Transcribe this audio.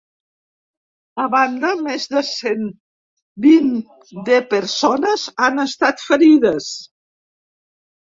A banda, més de cent vint de persones han estat ferides.